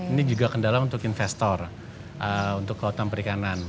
ini juga kendala untuk investor untuk kelautan perikanan